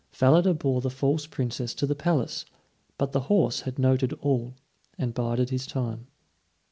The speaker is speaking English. Falada bore the false Princess to the palace; but the horse had noted all, and bided his time.